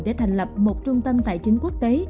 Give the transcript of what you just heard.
để thành lập một trung tâm tài chính quốc tế